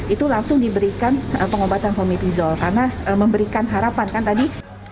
itu langsung diberikan pengobatan homepizol karena memberikan harapan kan tadi